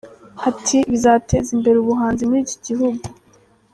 Ati “Bizateza imbere ubuhanzi muri iki gihugu.